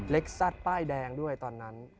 ซัดป้ายแดงด้วยตอนนั้น